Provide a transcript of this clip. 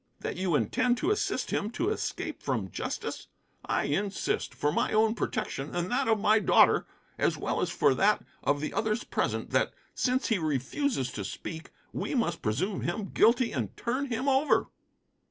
That you intend to assist him to escape from justice? I insist, for my own protection and that of my daughter, as well as for that of the others present that, since he refuses to speak, we must presume him guilty and turn him over."